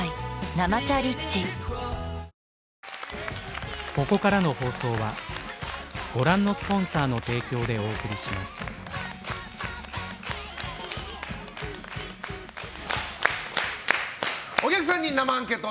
「生茶リッチ」お客さんに生アンケート！